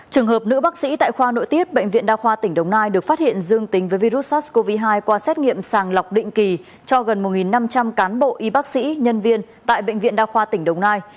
trường hợp nữ bác sĩ tại khoa nội tiết bệnh viện đa khoa tỉnh đồng nai được phát hiện dương tính với virus sars cov hai qua xét nghiệm sàng lọc định kỳ cho gần một năm trăm linh cán bộ y bác sĩ nhân viên tại bệnh viện đa khoa tỉnh đồng nai